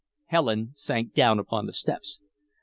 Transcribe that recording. Helen sank down upon the steps.